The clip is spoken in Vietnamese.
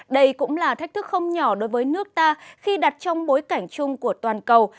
đây cũng là thách thức không nhỏ đối với nước ta khi đặt trong bối cảnh chung của toàn cầu